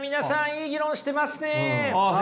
いい議論してますね！